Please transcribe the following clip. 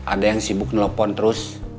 ada yang sibuk nelpon terus